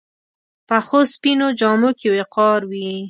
پخو سپینو جامو کې وقار وي